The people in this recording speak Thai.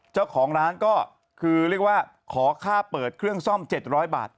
เจ้าของร้านก็คือเรียกว่าขอค่าเปิดเครื่องซ่อม๗๐๐บาท